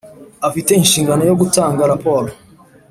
Afite inshingano yo gutanga raporo